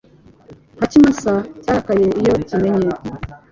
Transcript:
Nka kimasa cyarakaye iyo kimennye